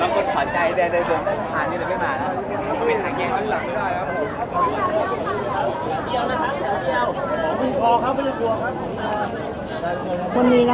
อันนี้ก็เป็นสิ่งที่จะให้ทุกคนรู้สึกว่ามันเป็นสิ่งที่จะให้ทุกคนรู้สึกว่ามันเป็นสิ่งที่จะให้ทุกคนรู้สึกว่า